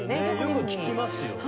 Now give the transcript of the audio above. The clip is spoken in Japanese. よく聴きますよね。